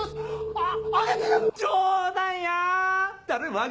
あっ。